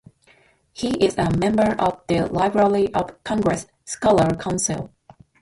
He is a member of the Library of Congress Scholars Council.